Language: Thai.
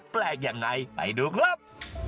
แปลกอย่างไรไปดูครับ